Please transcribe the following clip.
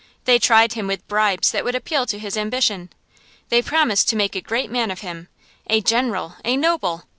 They tried him with bribes that would appeal to his ambition. They promised to make a great man of him a general, a noble.